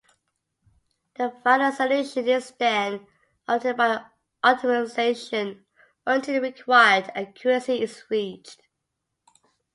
The final solution is then obtained by optimization until the required accuracy is reached.